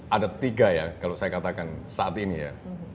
ada tiga ya kalau saya katakan saat ini ya